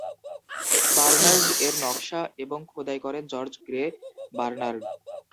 Bernard এর নকশা এবং খোদাই করেন জর্জ গ্রে বার্নার্ড।